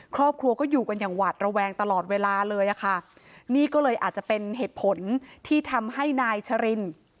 ครอบครัวก็อยู่กันอย่างหวาดระแวงตลอดเวลาเลยอะค่ะนี่ก็เลยอาจจะเป็นเหตุผลที่ทำให้นายชริน